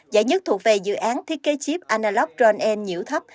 giải nhất thuộc về dự án thiết kế chip analog drone n nhiễu thấp